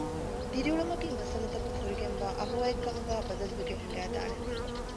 ދިރިއުޅުމަކީ މައްސަލަތަކުން ފުރިގެންވާ އަހުވައެއްކަމުގައި ބަދަލުވެގެން ހިނގައިދާނެ